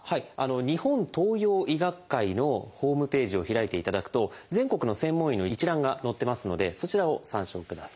日本東洋医学会のホームページを開いていただくと全国の専門医の一覧が載ってますのでそちらを参照ください。